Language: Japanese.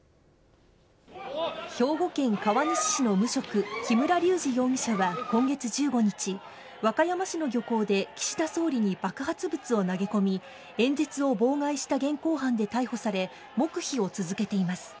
兵庫県川西市の無職、木村隆二容疑者は今月１５日、和歌山市の漁港で岸田総理に爆発物を投げ込み、演説を妨害した現行犯で逮捕され、黙秘を続けています。